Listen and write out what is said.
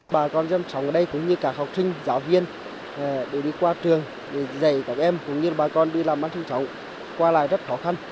bà con dân trọng ở đây cũng như các học sinh giáo viên để đi qua trường để dạy các em cũng như bà con đi làm bán trung trọng qua lại rất khó khăn